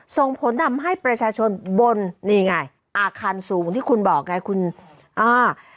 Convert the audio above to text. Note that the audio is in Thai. ส่งผลทำให้ประชาชนบนนี่ไงอาคารสูงที่คุณบอกไงคุณอ่า